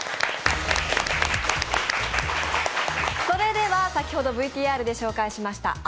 それでは、先ほどＶＴＲで紹介しました